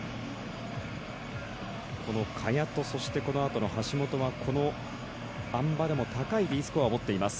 この萱とこのあとの橋本はこのあん馬でも高いＤスコアを持っています。